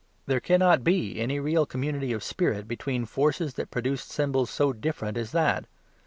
There cannot be any real community of spirit between forces that produced symbols so different as that.